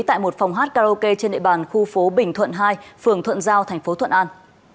tại một phòng hát karaoke trên địa bàn khu phố bình thuận hai phường thuận giao tp thuận an